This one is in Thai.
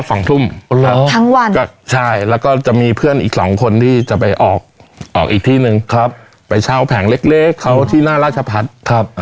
ทั้งวันใช่แล้วก็จะมีเพื่อนอีกสองคนที่จะไปออกออกอีกที่นึงครับไปเชาแผงเล็กเล็กเขาที่น่าราชภัฐครับ